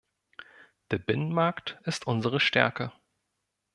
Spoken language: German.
Der Binnenmarkt ist unsere Stärke.